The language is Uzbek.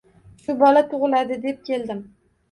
Shu bola tugʻiladi deb keldim.